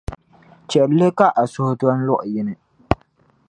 Chɛli li ka a suhu doni luɣ’ yini.